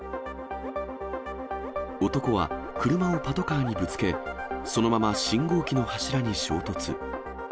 男は車をパトカーにぶつけ、そのまま信号機の柱に衝突。